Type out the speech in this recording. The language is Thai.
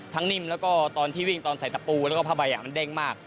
นิ่มแล้วก็ตอนที่วิ่งตอนใส่ตะปูแล้วก็ผ้าใบมันเด้งมาก